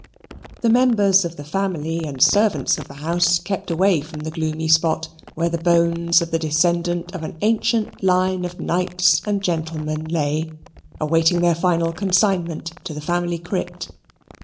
The members of the family and servants of the house kept away from the gloomy spot, where the bones of the descendant of an ancient line of knights and gentlemen lay, awaiting their final consignment to the family crypt.